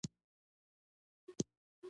که وچکالي ختمه نه شي نو ګرانه ده.